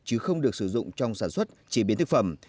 chứ không được sử dụng trong sản xuất chế biến thực phẩm